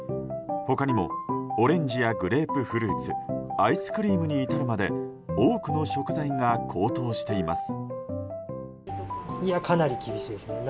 他にもオレンジやグレープフルーツアイスクリームに至るまで多くの食材が高騰しています。